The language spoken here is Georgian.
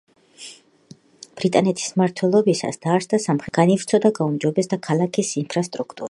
ბრიტანეთის მმართველობისას, დაარსდა სამხედრო დასახლება, განივრცო და გაუმჯობესდა ქალაქის ინფრასტრუქტურა.